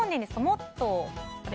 もっと。